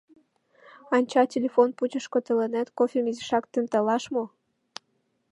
— Анча, телефон пучышко тыланет кофем изишак темалташ мо!